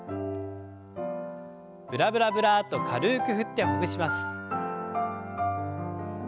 ブラブラブラッと軽く振ってほぐします。